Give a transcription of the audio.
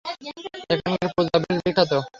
এখানকার পূজা বেশ বিখ্যাত।